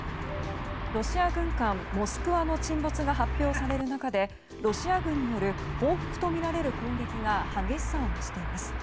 ロシア軍艦「モスクワ」の沈没が発表される中で、ロシア軍による報復とみられる攻撃が激しさを増しています。